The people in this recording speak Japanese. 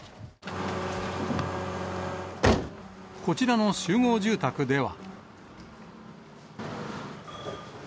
こちらの集合住宅では。